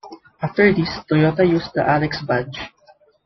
After this, Toyota used the Allex badge.